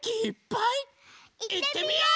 いってみよう！